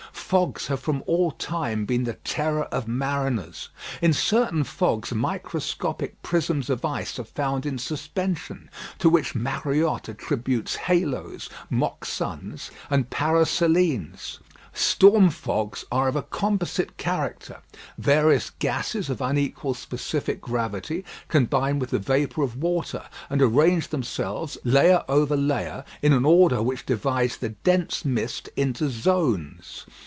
Fogs have from all time been the terror of mariners. In certain fogs microscopic prisms of ice are found in suspension, to which Mariotte attributes halos, mock suns, and paraselenes. Storm fogs are of a composite character; various gases of unequal specific gravity combine with the vapour of water, and arrange themselves, layer over layer, in an order which divides the dense mist into zones.